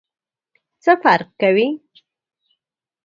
څه فرق کوي ؟